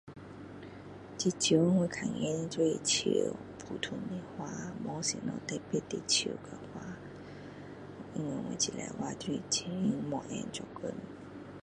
这树我看见就是树最普通的花没什么特别的树和花因为我这星期都是很努力没有空的做工